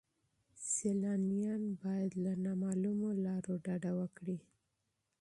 سیلانیان باید له نامعلومو لارو ډډه وکړي.